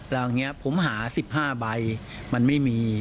แล้วอันนี้ผมหาสิบห้าใบมันไม่มี